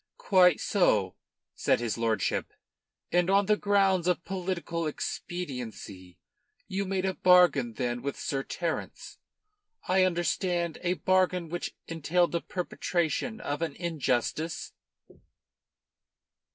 "Quite so," said his lordship. "And on the grounds of political expediency you made a bargain then with Sir Terence, I understand, a bargain which entailed the perpetration of an injustice."